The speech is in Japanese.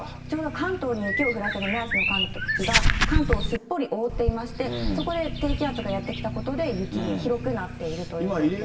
ちょうど関東に雪を降らせる目安の寒気が、関東をすっぽり覆っていまして、そこで低気圧がやって来たことで、雪がひどくなっているということ